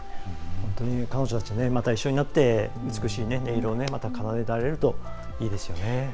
本当に彼女たちまた一緒になって美しい音色を、また奏でられるといいですよね。